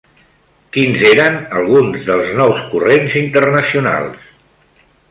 Quins eren alguns dels nous corrents internacionals?